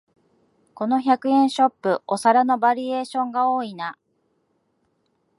この百円ショップ、お皿のバリエーションが多いな